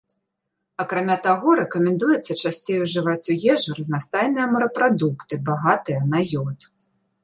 Акрамя таго, рэкамендуецца часцей ужываць у ежу разнастайныя морапрадукты, багатыя на ёд.